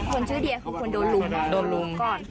คนชื่อเดียเขาควรโดนรุมก่อน